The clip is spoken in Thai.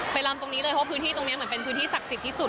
ลำตรงนี้เลยเพราะว่าพื้นที่ตรงนี้เหมือนเป็นพื้นที่ศักดิ์สิทธิ์ที่สุด